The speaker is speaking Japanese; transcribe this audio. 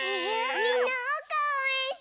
みんなおうかをおうえんしてね！